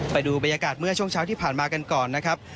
ไปดูบรรยากาศเมื่อช่วงเช้าที่ผ่านมากันก่อนนะครับ